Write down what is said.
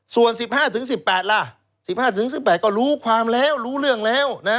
ส่วน๑๕๑๘ล่ะ๑๕๑๘ก็รู้ความแล้วรู้เรื่องแล้วนะ